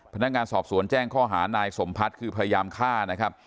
พนักงานสอบสวนแจ้งข้อหานายสมพัฒน์คือพยายามฆ่านะครับ